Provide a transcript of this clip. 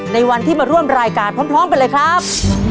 ในวันที่มาร่วมรายการพร้อมกันเลยครับ